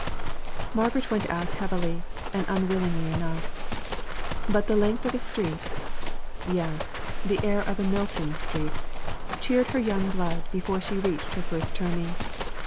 Margaret went out heavily and unwillingly enough. But the length of a street yes, the air of a Milton Street cheered her young blood before she reached her first turning.